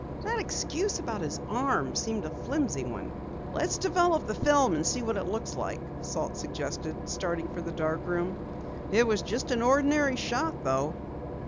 "That excuse about his arm seemed a flimsy one." "Let's develop the film and see what it looks like," Salt suggested, starting for the darkroom. "It was just an ordinary shot though."